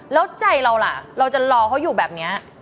แล้วใจเราล่ะเราจะรอเขาอยู่แบบนี้